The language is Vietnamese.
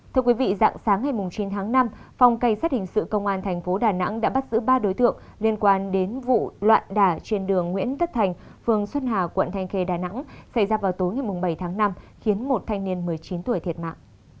thưa quý vị dạng sáng ngày chín tháng năm phòng cảnh sát hình sự công an thành phố đà nẵng đã bắt giữ ba đối tượng liên quan đến vụ loạn đả trên đường nguyễn tất thành phường xuân hà quận thanh khê đà nẵng xảy ra vào tối ngày bảy tháng năm khiến một thanh niên một mươi chín tuổi thiệt mạng